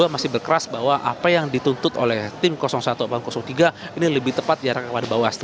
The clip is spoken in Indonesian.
masih berkeras bahwa apa yang dituntut oleh tim satu atau tiga ini lebih tepat diarahkan kepada bawaslu